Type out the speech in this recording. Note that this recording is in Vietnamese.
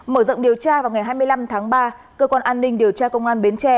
mở rộng điều tra vào ngày hai mươi năm tháng ba cơ quan an ninh điều tra công an bến tre